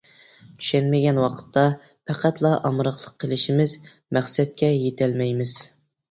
چۈشەنمىگەن ۋاقىتتا، پەقەتلا ئامراقلىق قىلىشىمىز، مەقسەتكە يېتەلمەيمىز.